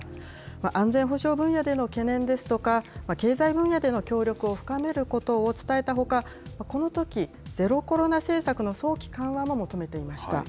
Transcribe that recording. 安全保障分野での懸念ですとか、経済分野での協力を深めることを伝えたほか、このとき、ゼロコロナ政策の早期緩和も求めていました。